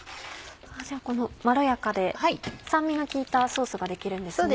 まろやかで酸味が効いたソースが出来るんですね。